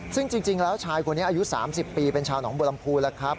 ซึ่งจริงแล้วชายคนนี้อายุ๓๐ปีเป็นชาวหนองบัวลำพูแล้วครับ